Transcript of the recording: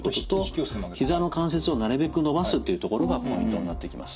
ひざの関節をなるべく伸ばすというところがポイントになってきます。